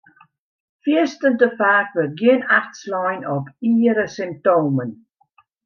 Fierstente faak wurdt gjin acht slein op iere symptomen.